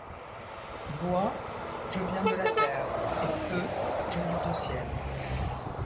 Bois, je viens de la terre, et, feu, je monte au ciel.